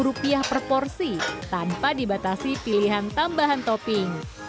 tapi perporsi tanpa dibatasi pilihan tambahan topping